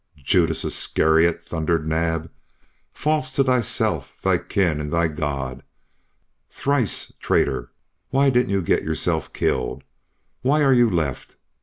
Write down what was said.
"Judas Iscariot!" thundered Naab. "False to thyself, thy kin, and thy God! Thrice traitor!... Why didn't you get yourself killed? ... Why are you left?